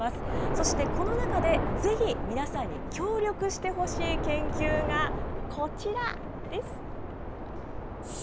そしてこの中で、ぜひ皆さんに協力してほしい研究がこちらです。